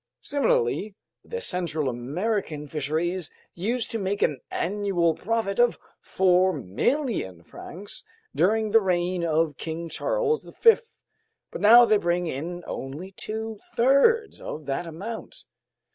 Similarly, the Central American fisheries used to make an annual profit of 4,000,000 francs during the reign of King Charles V, but now they bring in only two thirds of that amount.